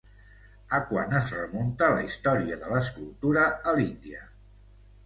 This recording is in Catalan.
A quan es remunta la història de l'escultura a l'Índia?